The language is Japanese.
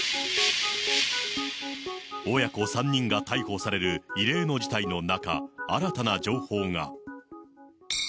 親子３人が逮捕される異例の事態の中、新たな情報が。